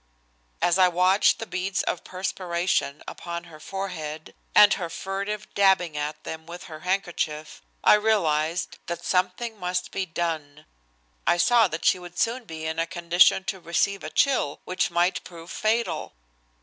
As I watched the beads of perspiration upon her forehead, and her furtive dabbing at them with her handkerchief, I realized that something must be done. I saw that she would soon be in a condition to receive a chill, which might prove fatal.